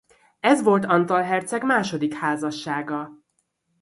Ez volt Antal herceg második házassága.